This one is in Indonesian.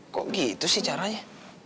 kok gitu sih caranya